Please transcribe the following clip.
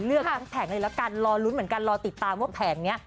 เลือกทั้งแผงเลยละกันรอลุ้นเหมือนกันรอติดตามว่าแผงนี้